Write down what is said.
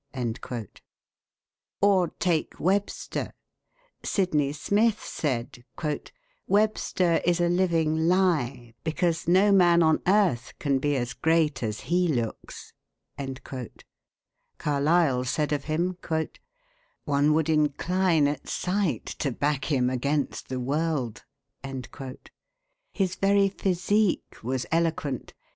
Or, take Webster. Sydney Smith said: "Webster is a living lie; because no man on earth can be as great as he looks." Carlyle said of him: "One would incline at sight to back him against the world." His very physique was eloquent.